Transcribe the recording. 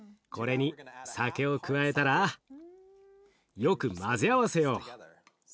これに酒を加えたらよく混ぜ合わせよう。